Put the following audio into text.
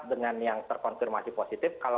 dengan yang terkonfirmasi positif